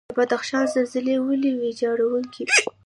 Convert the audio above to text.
د بدخشان زلزلې ولې ویجاړونکې وي؟